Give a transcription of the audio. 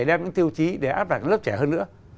đem những tiêu chí để áp đặt lớp trẻ hơn nữa